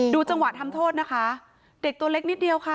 จังหวะทำโทษนะคะเด็กตัวเล็กนิดเดียวค่ะ